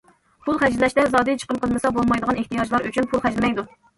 پۇل خەجلەشتە زادى چىقىم قىلمىسا بولمايدىغان ئېھتىياجلار ئۈچۈن پۇل خەجلىمەيدۇ.